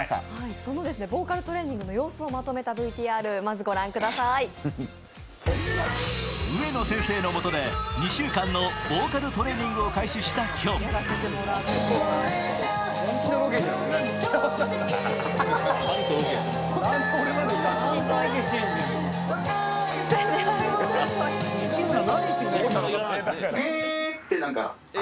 そのボーカルトレーニングの様子をまとめたＶＴＲご覧ください上野先生のもとで２週間のボーカルトレーニングを開始したきょん。